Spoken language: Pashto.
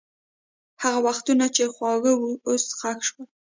هغه وختونه چې خوږ وو، اوس ښخ شول.